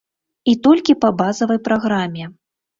І толькі па базавай праграме.